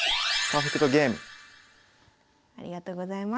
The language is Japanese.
ありがとうございます。